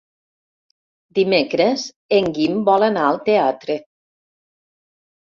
Dimecres en Guim vol anar al teatre.